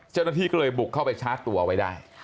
เจ้าหน้าที่ก็เลยบุกเข้าไปชาร์จตัวไว้ได้